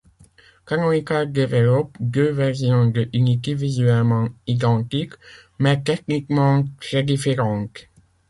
Canonical développe deux versions de Unity visuellement identiques, mais techniquement très différentes.